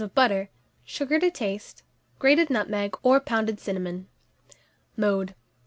of butter, sugar to taste, grated nutmeg or pounded cinnamon. Mode.